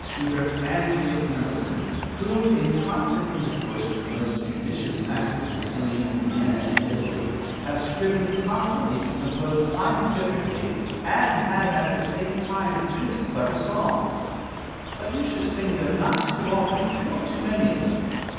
Schubert and Mendelssohn, who, in constant intercourse with the most judicious masters of singing in Vienna and Italy, have striven constantly to compose scientifically, and have at the same time produced clever songs; but you should sing them not too often, or too many of them.